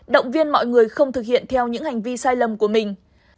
động viên mọi người không thực hiện theo những hành vi sai lầm của mình